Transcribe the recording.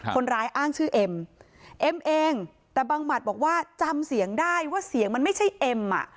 คนร้ายอ้างชื่อเอ็มเอ็มเองแต่บังหมัดบอกว่าจำเสียงได้ว่าเสียงมันไม่ใช่เอ็มอ่ะ